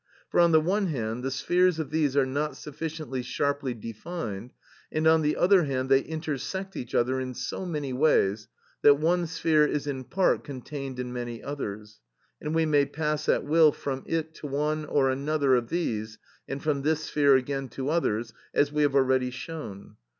For, on the one hand, the spheres of these are not sufficiently sharply defined, and, on the other hand, they intersect each other in so many ways that one sphere is in part contained in many others, and we may pass at will from it to one or another of these, and from this sphere again to others, as we have already shown.